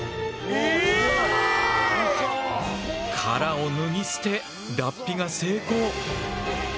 殻を脱ぎ捨て脱皮が成功！